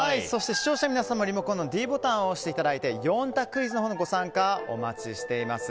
視聴者の皆さんもリモコンのｄボタンを押していただいて４択クイズのご参加お待ちしております。